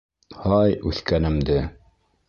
— Һай, үҫкәнемде!